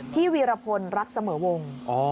พี่วีระพลรักเสมอวง